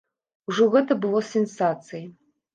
Ужо гэта было сенсацыяй.